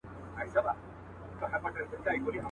ما جوړ کړی دی دربار نوم مي امیر دی.